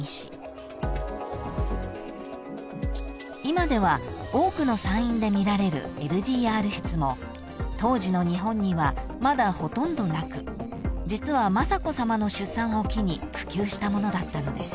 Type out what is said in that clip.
［今では多くの産院で見られるＬＤＲ室も当時の日本にはまだほとんどなく実は雅子さまの出産を機に普及したものだったのです］